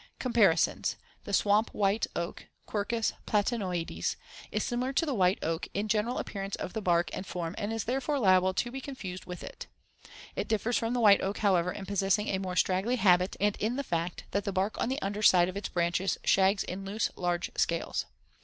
Comparisons: The swamp white oak (Quercus platanoides) is similar to the white oak in general appearance of the bark and form and is therefore liable to be confused with it. It differs from the white oak, however, in possessing a more straggly habit and in the fact that the bark on the under side of its branches shags in loose, large scales.